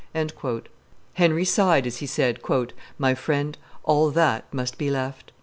Henry sighed as he said, "My friend, all that must be left."